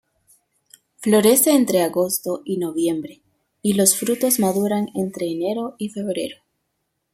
Florece entre agosto y noviembre y los frutos maduran entre enero y febrero.